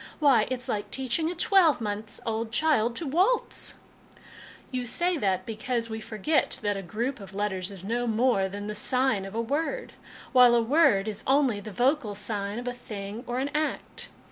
Why, it's like teaching a twelve months old child to waltz !"" You say that because we forget that a group of letters is no more than the sign of a word, while a word is only the vocal sign of a thing or an act.